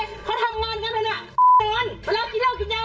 พอทำงานกันเถอะน่ะตอนนี้กลับเลยเพราะทำงานกันเถอะน่ะตอนนี้กลับเลยเพราะทำงานกันเถอะน่ะ